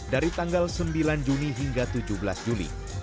dari tanggal sembilan juni hingga tujuh belas juli